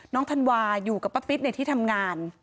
น้องธันวาอยู่กับป้าปีชในที่ทำงาน